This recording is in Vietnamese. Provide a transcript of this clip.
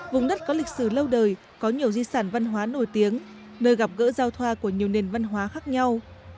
vùng đất có lịch sử lâu đời có nhiều di sản văn hóa nổi tiếng nơi gặp gỡ giao thoa của nhiều nền văn hóa khác nhau